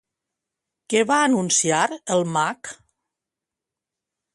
Què va anunciar el mag?